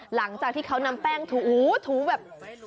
หลังจากที่เขานำแป้งถูถูแบบ